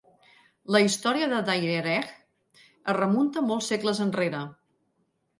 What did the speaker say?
La història de dayereh es remunta molts segles enrere.